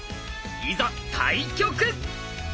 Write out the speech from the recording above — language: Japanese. いざ対局！